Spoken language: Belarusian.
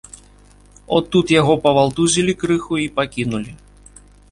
От тут яго павалтузілі крыху і пакінулі.